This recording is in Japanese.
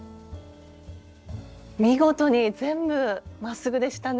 見事に全部まっすぐでしたね。